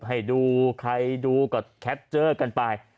ให้ดูใครดูก็แคปเจอร์กันไป